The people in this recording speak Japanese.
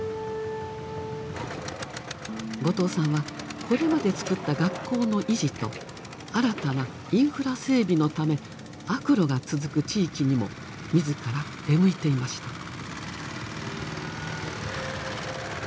後藤さんはこれまでつくった学校の維持と新たなインフラ整備のため悪路が続く地域にも自ら出向いていました。